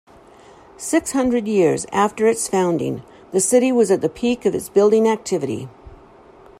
Six hundred years after its founding, the city was at the peak of its building activity.